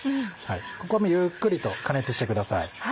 ここはゆっくりと加熱してください。